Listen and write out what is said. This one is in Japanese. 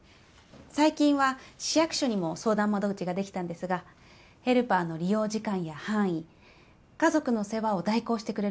最近は市役所にも相談窓口ができたんですがヘルパーの利用時間や範囲家族の世話を代行してくれるサービス